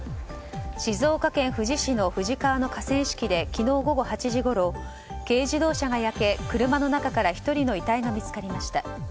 静岡県富士市の富士川の河川敷で昨日午後８時ごろ、軽自動車が焼け車の中から１人の遺体が見つかりました。